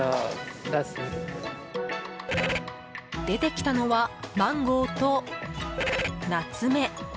出てきたのはマンゴーとナツメ。